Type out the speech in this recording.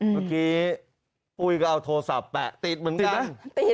เมื่อกี้ปุ้ยก็เอาโทรศัพท์แปะติดเหมือนกัน